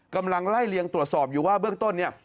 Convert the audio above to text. กำลังไล่เลียงตรวจสอบอยู่ว่าเบื้องต้นเนี่ย